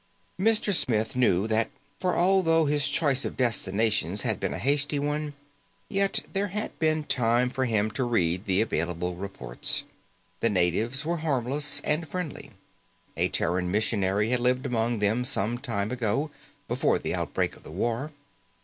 Mr. Smith knew that, for although his choice of destinations had been a hasty choice, yet there had been time for him to read the available reports. The natives were harmless and friendly. A Terran missionary had lived among them some time ago before the outbreak of the war.